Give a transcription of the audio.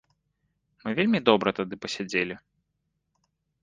Мы вельмі добра тады пасядзелі.